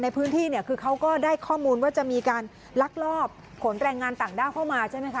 ในพื้นที่เนี่ยคือเขาก็ได้ข้อมูลว่าจะมีการลักลอบขนแรงงานต่างด้าวเข้ามาใช่ไหมคะ